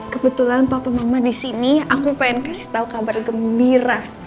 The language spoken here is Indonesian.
kebetulan papa mama disini aku pengen kasih tau kabar gembira